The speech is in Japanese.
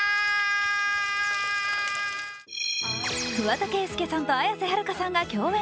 桑田佳祐さんと綾瀬はるかさんが共演。